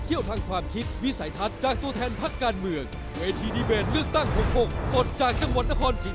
เพราะว่ารัฐบาลไหนก็ต้องทำแบบนี้